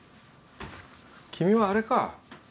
君はあれか？